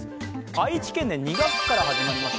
愛知県で２学期から始まります